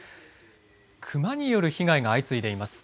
熊による被害が相次いでいます。